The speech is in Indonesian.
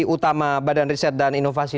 utama badan riset dan inovasi